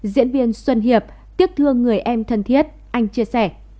diễn viên xuân hiệp tiếp thương người em thân thiết anh chia sẻ